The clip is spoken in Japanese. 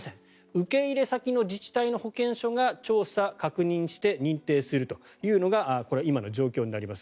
受け入れ先の自治体の保健所が調査・確認して認定するというのが今の状況になります。